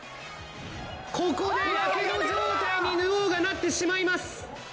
ここでやけど状態にヌオーがなってしまいます。